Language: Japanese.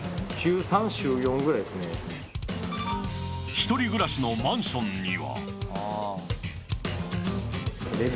１人暮らしのマンションには。